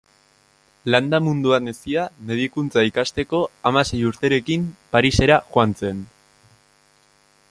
Landa munduan hezia, medikuntza ikasteko hamasei urterekin Parisera joan zen.